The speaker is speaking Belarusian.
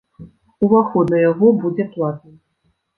Уваход на яго будзе платным.